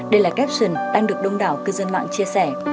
đây là caption đang được đông đảo cư dân mạng chia sẻ